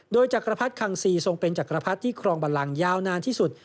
โดยจักรพรรดิคังซีทรงเป็นจักรพรรดิที่ครองบันลังยาวนานที่สุด